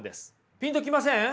ピンと来ません？